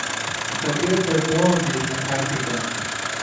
دەبێت بەردەوام بین لە کارکردن.